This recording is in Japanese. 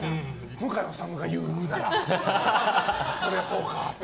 向井理が言うならそりゃそうかって。